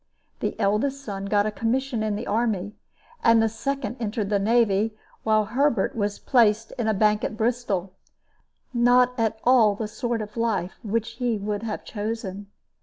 The eldest son got a commission in the army, and the second entered the navy, while Herbert was placed in a bank at Bristol not at all the sort of life which he would have chosen.